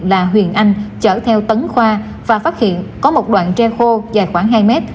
là huyền anh chở theo tấn khoa và phát hiện có một đoạn tre khô dài khoảng hai mét